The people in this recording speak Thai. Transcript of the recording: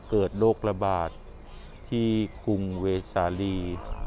เกิดโรคระบาดที่กรุงเวสาลี